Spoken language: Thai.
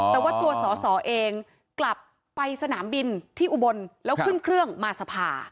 แต่ว่าตัวสอสอเองกลับไปสนามบินที่อุบลแล้วขึ้นเครื่องมาสภา